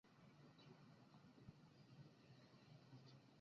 朝鲜战争是中华人民共和国建国以来的第一场对外战争。